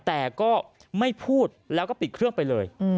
แต่ก็ไม่พูดแล้วก็ปิดเครื่องไปเลย